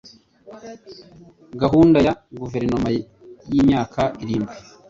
gahunda ya guverinoma y imyaka irindwi